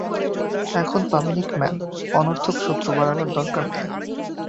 এখন public man, অনর্থক শত্রু বাড়াবার দরকার নাই।